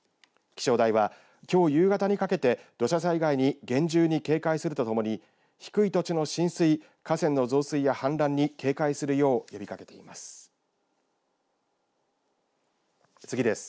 気象台は、きょう夕方にかけて土砂災害に厳重に警戒するとともに低い土地の浸水河川の増水や氾濫に警戒するよう呼びかけています。